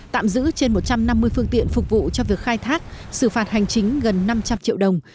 tạm giữ trên một trăm năm mươi phương tiện phục vụ cho việc khai thác xử phạt hành chính gần năm trăm linh triệu đồng